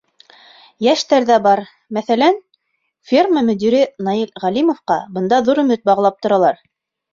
Йәштәр ҙә бар: мәҫәлән, ферма мөдире Наил Ғәлимовҡа бында ҙур өмөт бағлап торалар.